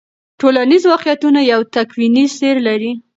ټولنیز واقعیتونه یو تکویني سیر لري.